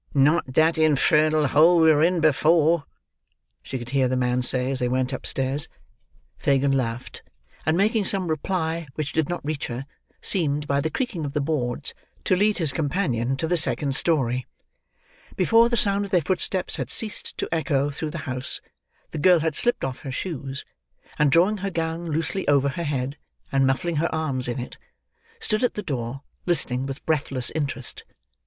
"Not that infernal hole we were in before," she could hear the man say as they went upstairs. Fagin laughed; and making some reply which did not reach her, seemed, by the creaking of the boards, to lead his companion to the second story. Before the sound of their footsteps had ceased to echo through the house, the girl had slipped off her shoes; and drawing her gown loosely over her head, and muffling her arms in it, stood at the door, listening with breathless interest.